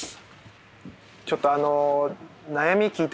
ちょっとあのええ！